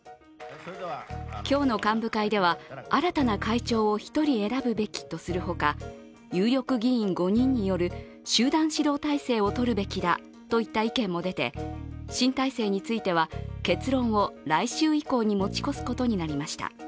今日の幹部会では新たな会長を１人選ぶべきとするほか有力議員５人による集団指導体制をとるべきだといった意見も出て新体制については、結論を来週以降に持ち越すことになりました。